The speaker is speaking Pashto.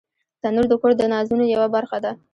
تنور د کور د نازونو یوه برخه ده